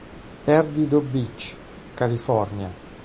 Perdido Beach, California.